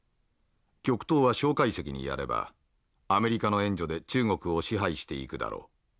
極東は介石にやればアメリカの援助で中国を支配していくだろう。